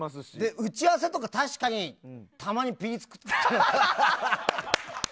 打ち合わせとか確かに、たまにぴりつく。